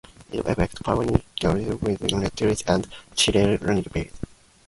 Its effects permanently changed the island's demographic, political and cultural landscape.